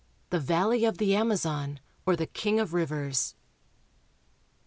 THE VALLEY OF THE AMAZON, OR THE KING OF RIVERS.